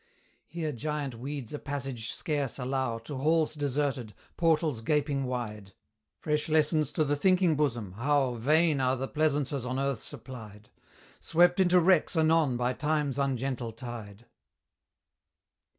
Here giant weeds a passage scarce allow To halls deserted, portals gaping wide; Fresh lessons to the thinking bosom, how Vain are the pleasaunces on earth supplied; Swept into wrecks anon by Time's ungentle tide.